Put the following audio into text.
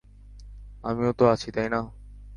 আমিও তো আছি, তাই না?